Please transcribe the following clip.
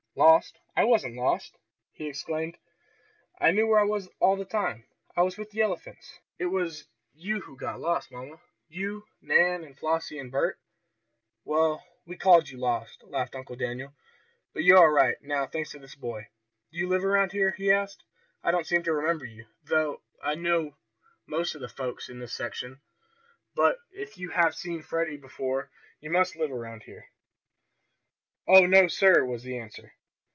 "Lost! I wasn't lost!" he exclaimed. "I knew where I was all the time. I was with the elephants. It was you who got lost, mamma you and Nan and Flossie and Bert " "Well, we called you lost," laughed Uncle Daniel. "But you're all right now, thanks to this boy. Do you live around here?" he asked. "I don't seem to remember you, though I know most of the folks in this section. But if you have seen Freddie before you must live around here." "Oh, no, sir," was the answer.